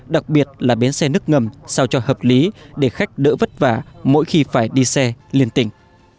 đặc biệt là bến xe nước ngầm sao cho hợp lý để khách đỡ vất vả mỗi khi phải đi xe liên tỉnh